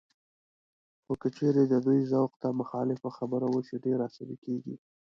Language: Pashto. خو که چېرې د دوی ذوق ته مخالف خبره وشي، ډېر عصبي کېږي